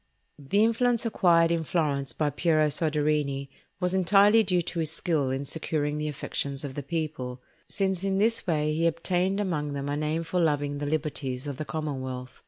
The influence acquired in Florence by Piero Soderini was entirely due to his skill in securing the affections of the people, since in this way he obtained among them a name for loving the liberties of the commonwealth.